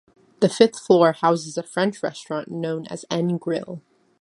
The fifth floor houses a French restaurant known as N Grill.